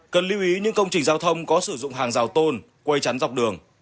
cần lưu ý những công trình giao thông có sử dụng hàng rào tôn quay chắn dọc đường